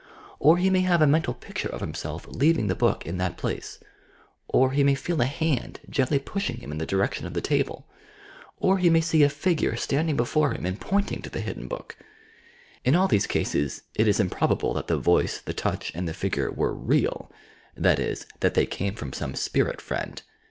Or, he may have a mental picture of himself leaving the book in that place. Or, he may feel a hand, gently pushing him in the direc tion of the table. Or he may see a figure standing before him and pointing to the hidden book. In all these cases it is improbable that the voice, the touch, and the figure, were real, — that is, that they came from some spirit friend.